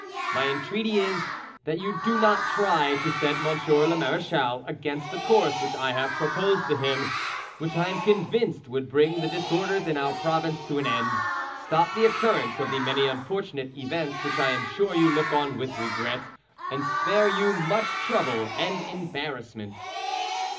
My entreaty is that you do not try to set M. le marechal against the course which I have proposed to him, which I am convinced would bring the disorders in our province to an end, stop the occurrence of the many unfortunate events which I am sure you look on with regret, and spare you much trouble and embarrassment."